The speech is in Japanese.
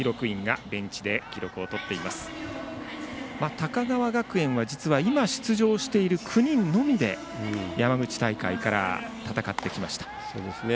高川学園は実は今出場している９人のみで山口大会から戦ってきました。